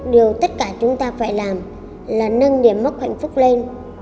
điều tất cả chúng ta phải làm là nâng điểm mốc hạnh phúc lên